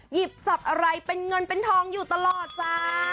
หยิบจับอะไรเป็นเงินเป็นทองอยู่ตลอดจ้า